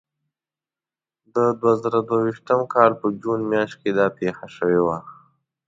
د دوه زره دوه ویشتم کال په جون میاشت کې دا پېښه شوې وه.